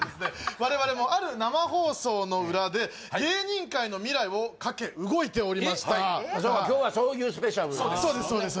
われわれもある生放送の裏で芸人界の未来をかけ動いておりました今日はそういうスペシャルそうです